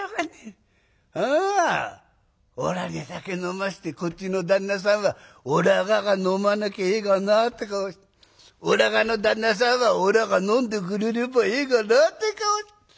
あおらに酒飲ましてこっちの旦那さんはおらがが飲まなきゃええがなって顔しておらがの旦那さんはおらが飲んでくれればええがなって顔。